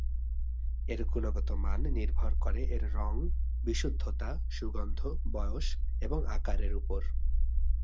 এর গুণগত মান নির্ভর করে এর রং, বিশুদ্ধতা, সুগন্ধ, বয়স এবং আকারের ওপর।